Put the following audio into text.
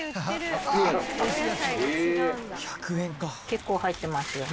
結構入ってますよ。